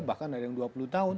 bahkan ada yang dua puluh tahun